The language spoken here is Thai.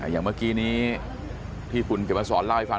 อย่างเมื่อกี้นี้ที่คุณเขียนมาสอนเล่าให้ฟัง